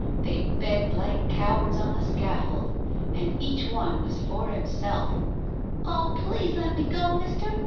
They begged like cowards on the scaffold, and each one was for himself. "Oh, please let me go, mister!